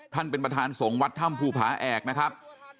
เป็นประธานสงฆ์วัดถ้ำภูผาแอกนะครับ